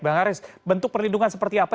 bang haris bentuk perlindungan seperti apa